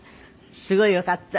すごいよかった。